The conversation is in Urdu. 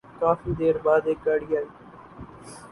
کافی دیر بعد ایک گاڑی آئی ۔